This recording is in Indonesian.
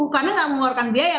karena gak mengeluarkan biaya